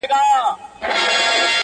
دغه د کرکي او نفرت کليمه.